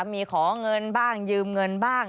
มีขอเงินบ้างยืมเงินบ้าง